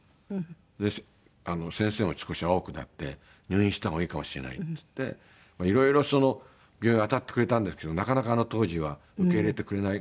先生も少し青くなって「入院した方がいいかもしれない」って言っていろいろ病院を当たってくれたんですけどなかなかあの当時は受け入れてくれなくて。